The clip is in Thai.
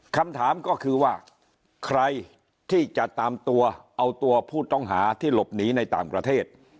คำถามก็คือว่าใครที่จะตามตัวเอาตัวผู้ต้องหาที่หลบหนีในต่างประเทศ